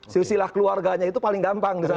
silah silah keluarganya itu paling gampang di sana